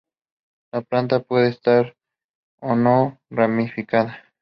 La planta puede estar o no ramificada.